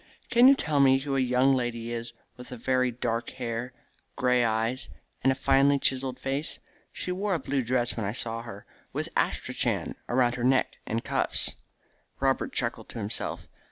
Can you tell me who a young lady is with very dark hair, grey eyes, and a finely chiselled face? She wore a blue dress when I saw her, with astrachan about her neck and cuffs." Robert chuckled to himself.